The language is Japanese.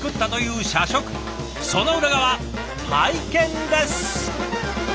その裏側拝見です。